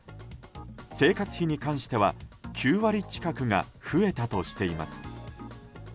生活費に関しては９割近くが増えたとしています。